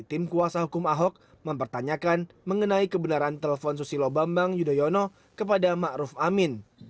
tim kuasa hukum ahok mempertanyakan mengenai kebenaran telepon susilo bambang yudhoyono kepada ⁇ maruf ⁇ amin